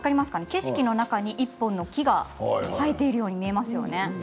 景色の中に１本の木が生えているように見えますよね。